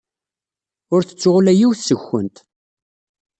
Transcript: Ur tettuɣ ula yiwet seg-kumt.